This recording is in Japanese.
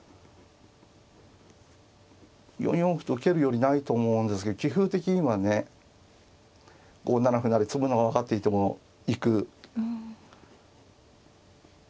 ４四歩と受けるよりないと思うんですけど棋風的にはね５七歩成詰むのは分かっていても行く。